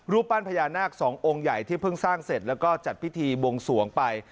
ปั้นพญานาคสององค์ใหญ่ที่เพิ่งสร้างเสร็จแล้วก็จัดพิธีบวงสวงไป